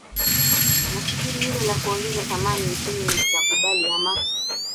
unafikiri hilo la kuongeza thamani china itakubali ama